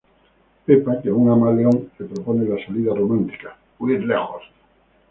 Pepa, que aún ama a León, le propone la salida romántica, huir lejos.